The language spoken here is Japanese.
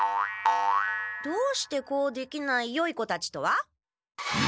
「どうしてこうできないよい子たち」とは？